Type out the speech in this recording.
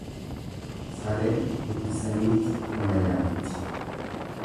Sareen guddisaniiti nama nyaatti.